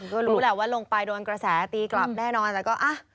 ก็รู้แหละว่าลงไปโดนกระแสตีกลับแน่นอนแต่ก็อ่ะ